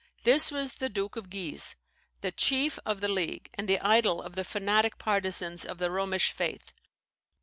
This was the Duke of Guise, the chief of the League, and the idol of the fanatic partisans of the Romish faith.